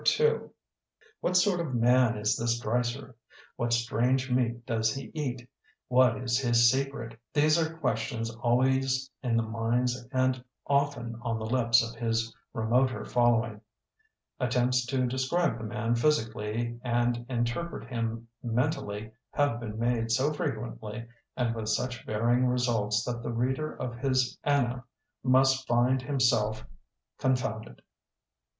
II What sort of man is this Dreiser? What strange meat does he eat? What is his secret? These are questions al ways in the minds and often on the lips of his remoter following. At tempts to describe the man physically and interpret him mentally have been made so frequently and with such varying results that the reader of his ana must find himself confounded.